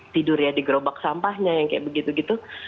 tidur ya di gerobak sampahnya yang kayak begitu gitu